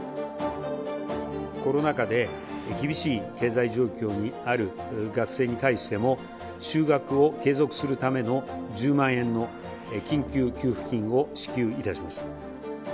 コロナ禍で厳しい経済状況にある学生に対しても、就学を継続するための１０万円の緊急給付金を支給いたします。